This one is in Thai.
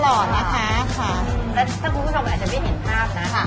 รอดนะคะค่ะอืมแล้วถ้าพูดผมอาจจะไม่เห็นภาพนะค่ะ